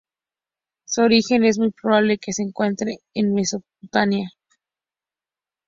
Su origen es muy probable que se encuentre en Mesopotamia.